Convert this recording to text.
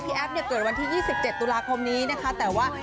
พีชแอฟเกิดวันที่๒๗บนินเทปมาจากแล้ว